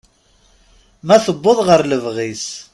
Ma tewweḍ ɣer lebɣi-s.